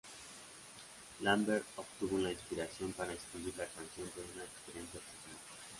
Lambert obtuvo la inspiración para escribir la canción de una experiencia personal.